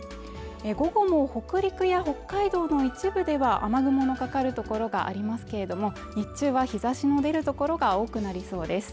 午後も北陸や北海道の一部では雨雲のかかる所がありますけれども日中は日差しの出るところが多くなりそうです